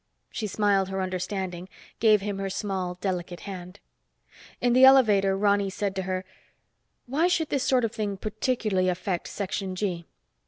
She smiled her understanding, gave him her small, delicate hand. In the elevator, Ronny said to her, "Why should this sort of thing particularly affect Section G?"